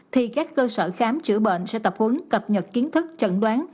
thì các cơ sở khám chữa bệnh sẽ tập hướng cập nhật kiến thức chẩn đoán